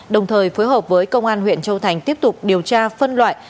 đồng thời phối hợp với công an huyện châu thành tiếp tục điều tra phân loại